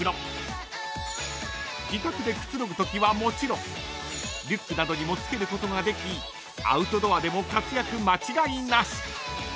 ［自宅でくつろぐときはもちろんリュックなどにもつけることができアウトドアでも活躍間違いなし］